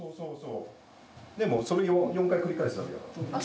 でもそれを４回繰り返すだけだから。